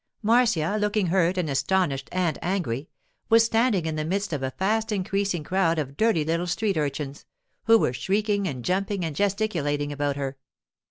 Marcia, looking hurt and astonished and angry, was standing in the midst of a fast increasing crowd of dirty little street urchins, who were shrieking and jumping and gesticulating about her.